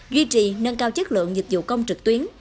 duy trì nâng cao chất lượng dịch vụ công trực tuyến